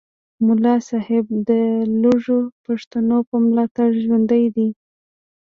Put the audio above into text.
ملا صاحب د لږو پښتنو په ملاتړ ژوندی دی